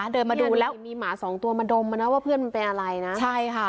เดินมาดูแล้วมีหมาสองตัวมาดมมานะว่าเพื่อนมันเป็นอะไรนะใช่ค่ะ